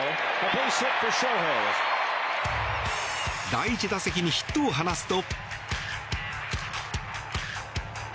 第１打席にヒットを放つと。